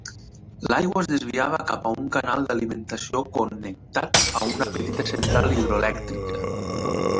L'aigua es desviava cap a un canal d'alimentació connectat a una petita central hidroelèctrica.